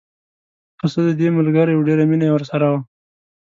پسه دده ملګری و ډېره مینه یې ورسره وه.